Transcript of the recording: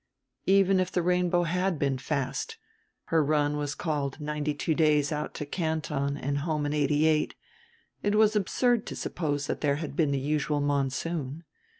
Even if the Rainbow had been fast her run was called ninety two days out to Canton and home in eighty eight it was absurd to suppose that there had been the usual monsoon.